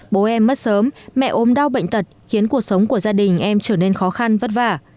bố em mất sớm mẹ ốm đau bệnh tật khiến cuộc sống của gia đình em trở nên khó khăn vất vả